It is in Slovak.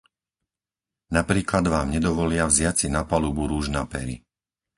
Napríklad vám nedovolia vziať si na palubu rúž na pery.